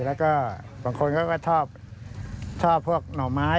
แล้วก็บางคนก็ชอบพวกหน่อไม้